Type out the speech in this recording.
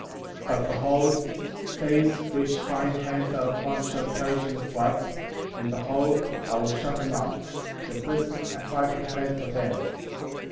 38. But behold, these which thine eyes are upon shall perish in the floods;^ and behold, I will shut them up ; a prison have I prepared for them.